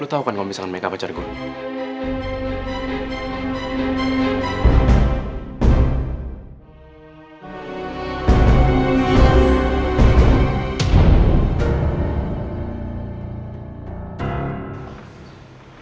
lu tau kan kalo misalnya meka pacar gue